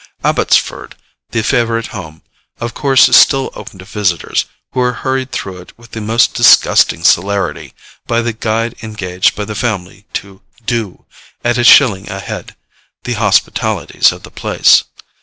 Abbotsford, the favorite home, of course is still open to visitors, who are hurried though it with the most disgusting celerity, by the guide engaged by the family to 'do' at a shilling a head the hospitalities of the place.